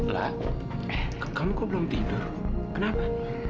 lah eh kamu kok belum tidur kenapa